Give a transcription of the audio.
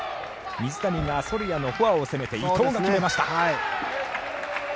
水谷がフォアを攻めて伊藤が決めました。